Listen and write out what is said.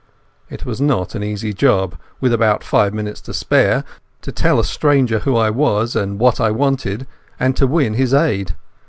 It was not an easy job, with about five minutes to spare, to tell a stranger who I was and what I wanted, and to win his aid.